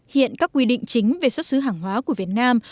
hiện các quy định chính về xuất xứ hàng hóa của việt nam